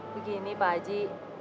begini pak haji